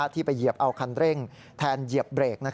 ที่ไปเหยียบเอาคันเร่งแทนเหยียบเบรก